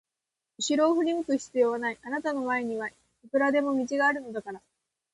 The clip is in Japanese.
うしろを振り向く必要はない、あなたの前にはいくらでも道があるのだから。